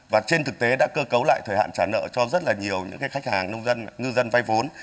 và trên thực tế đã cơ cấu lại thời hạn trả nợ cho rất là nhiều những khách hàng nông dân ngư dân vay vốn